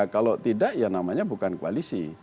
kalau tidak ya namanya bukan koalisi